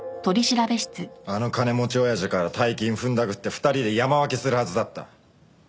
あの金持ちおやじから大金ふんだくって２人で山分けするはずだった。